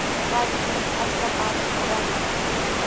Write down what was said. Paniimi achka paatuta waatan.